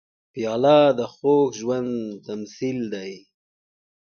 پیاله د خوږ ژوند تمثیل دی.